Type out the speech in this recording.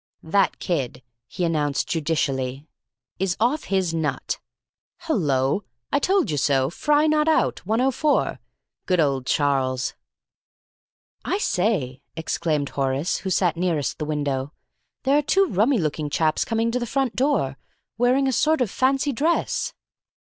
"That kid," he announced judicially, "is off his nut! Hullo! I told you so! Fry not out, 104. Good old Charles!" "I say," exclaimed Horace, who sat nearest the window, "there are two rummy looking chaps coming to the front door, wearing a sort of fancy dress!"